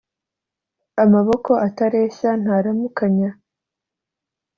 amaboko atareshya ntaramukanyi